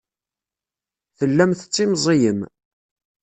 Tellam tettimẓiyem.